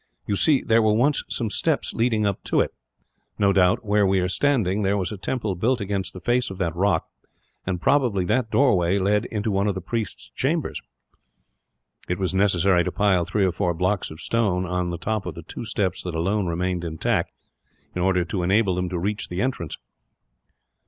"You see there were once some steps leading up to it. No doubt, where we are standing there was a temple built against the face of that rock; and probably that doorway led into one of the priests' chambers." It was necessary to pile three or four blocks of stone on the top of the two steps that alone remained intact, in order to enable them to reach the entrance.